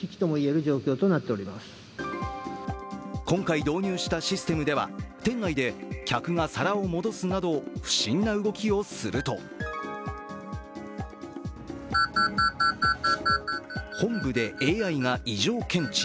今回導入したシステムでは店内で客が皿を戻すなど不審な動きをすると本部でＡＩが異常検知。